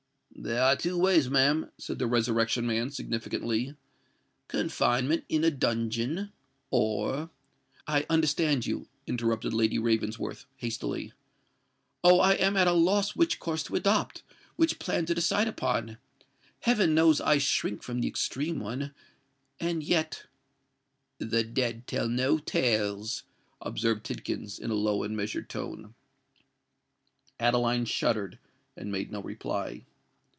"There are two ways, ma'am," said the Resurrection Man, significantly: "confinement in a dungeon, or——" "I understand you," interrupted Lady Ravensworth, hastily. "Oh! I am at a loss which course to adopt—which plan to decide upon! Heaven knows I shrink from the extreme one——and yet——" "The dead tell no tales," observed Tidkins, in a low and measured tone. Adeline shuddered, and made no reply.